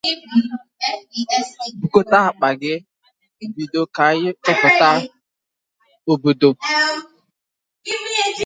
So pack your bags and start exploring this exciting and diverse metropolis!